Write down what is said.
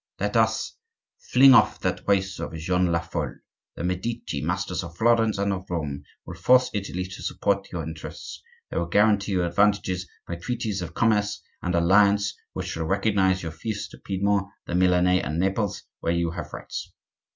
Let us fling off that race of Jeanne la Folle. The Medici, masters of Florence and of Rome, will force Italy to support your interests; they will guarantee you advantages by treaties of commerce and alliance which shall recognize your fiefs in Piedmont, the Milanais, and Naples, where you have rights.